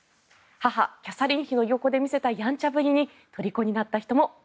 母・キャサリン妃の横で見せたやんちゃぶりにとりこになった人も。